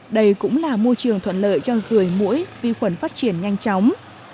đây cũng là môi trường thuận lợi cho rươi mũi vi khuẩn phát triển nhanh chóng